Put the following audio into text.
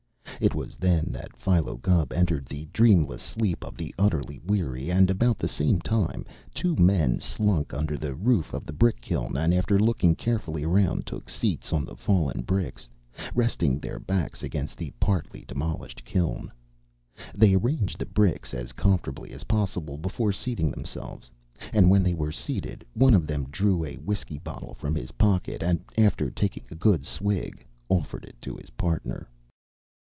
It was then that Philo Gubb entered the dreamless sleep of the utterly weary, and, about the same time, two men slunk under the roof of the brick kiln and after looking carefully around took seats on the fallen bricks, resting their backs against the partly demolished kiln. They arranged the bricks as comfortably as possible before seating themselves, and when they were seated, one of them drew a whiskey bottle from his pocket and, after taking a good swig, offered it to his partner.